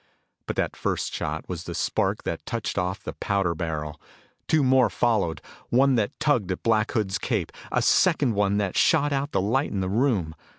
But that first shot was the spark that touched off the powder barrel. Two more followed one that tugged at the Black Hood's cape, a second that shot out the light in the room.